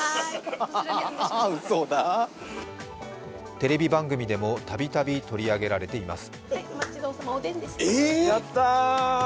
テレビ番組でもたびたび取り上げられています。